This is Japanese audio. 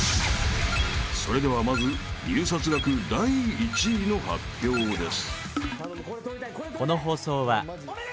［それではまず入札額第１位の発表です］